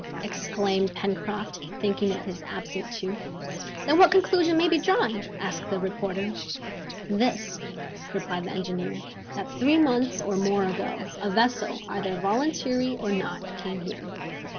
exclaimed Pencroft, thinking of his absent tooth. "Then what conclusion may be drawn?" asked the reporter. "This," replied the engineer, "that three months or more ago, a vessel, either voluntarily or not, came here."